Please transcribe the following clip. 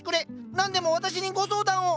何でも私にご相談を。